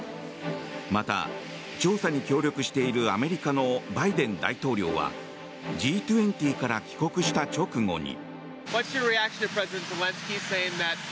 また、調査に協力しているアメリカのバイデン大統領はＧ２０から帰国した直後に。